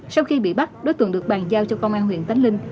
sau khi bị bắt đối tượng được bàn giao cho công an huyện tánh linh